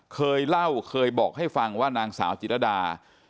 เคยเล่าเคยบอกให้ฟังว่านางสาวจิรดา